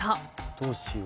どうしよう。